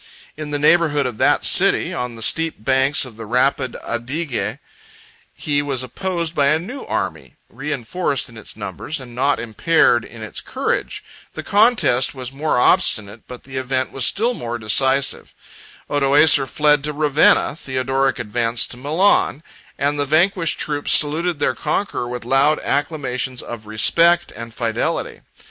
In the neighborhood of that city, on the steep banks of the rapid Adige, he was opposed by a new army, reenforced in its numbers, and not impaired in its courage: the contest was more obstinate, but the event was still more decisive; Odoacer fled to Ravenna, Theodoric advanced to Milan, and the vanquished troops saluted their conqueror with loud acclamations of respect and fidelity.